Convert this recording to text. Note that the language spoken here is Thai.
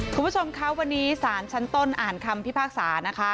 คุณผู้ชมคะวันนี้ศาลชั้นต้นอ่านคำพิพากษานะคะ